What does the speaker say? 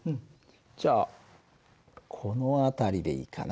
じゃあこの辺りでいいかな。